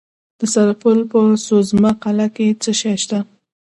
د سرپل په سوزمه قلعه کې څه شی شته؟